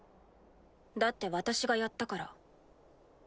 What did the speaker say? だって私がやったから。